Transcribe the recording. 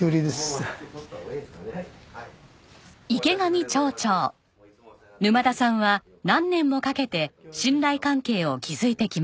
沼田さんは何年もかけて信頼関係を築いてきました。